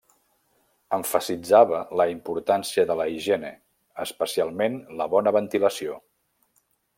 Emfasitzava la importància de la higiene, especialment la bona ventilació.